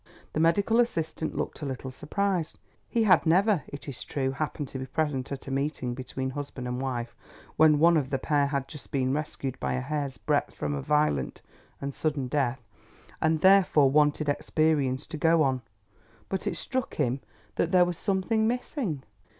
The medical assistant looked a little surprised. He had never, it is true, happened to be present at a meeting between husband and wife, when one of the pair had just been rescued by a hair's breadth from a violent and sudden death, and therefore wanted experience to go on. But it struck him that there was something missing.